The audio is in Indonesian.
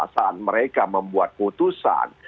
saat mereka membuat putusan